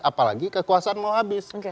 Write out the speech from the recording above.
apalagi kekuasaan mau habis